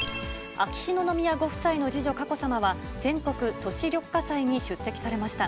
秋篠宮ご夫妻の次女、佳子さまは全国都市緑化祭に出席されました。